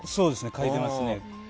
書いてますね。